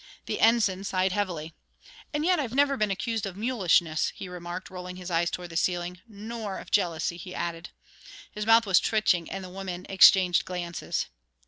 The Ensign sighed heavily. "And yet I've never been accused of mulishness," he remarked, rolling his eyes toward the ceiling, "nor of jealousy," he added. His mouth was twitching, and the women exchanged glances.